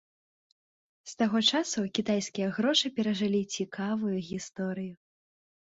З таго часу кітайскія грошы перажылі цікавую гісторыю.